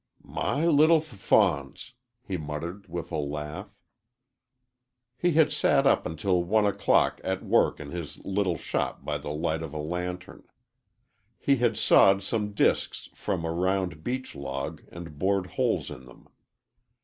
"My little f fawns!" he muttered, with a laugh. He had sat up until one o'clock at work in his little shop by the light of a lantern. He had sawed some disks from a round beech log and bored holes in them.